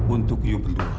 untuk kamu berdua